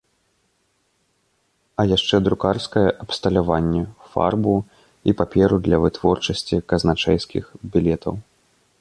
А яшчэ друкарскае абсталяванне, фарбу і паперу для вытворчасці казначэйскіх білетаў.